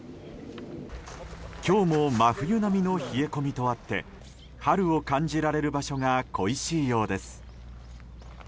今日も真冬並みの冷え込みとあって春を感じられる場所が恋しいようです。